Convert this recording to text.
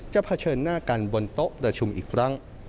เผชิญหน้ากันบนโต๊ะประชุมอีกครั้ง